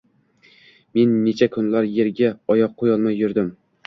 Men necha kunlar yerga oyoq qo‘yolmay yurdim